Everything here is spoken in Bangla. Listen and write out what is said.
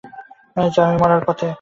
আমি মরার পথে।